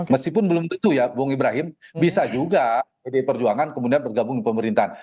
meskipun belum tentu ya bung ibrahim bisa juga pdi perjuangan kemudian bergabung di pemerintahan